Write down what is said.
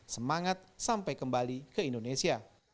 semangat sampai kembali ke indonesia